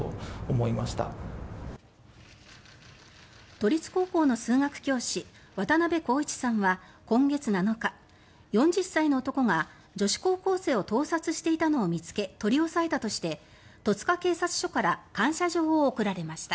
都立高校の数学教師渡部光一さんは今月７日、４０歳の男が女子高校生を盗撮していたのを見つけ取り押さえたとして戸塚警察署から感謝状を贈られました。